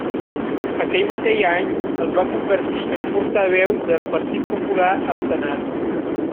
Aquell mateix any es va convertir en portaveu del Partit Popular al Senat.